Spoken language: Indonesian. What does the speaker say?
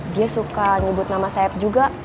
dia suka nyebut nama sayap juga